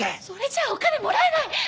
それじゃあお金もらえない。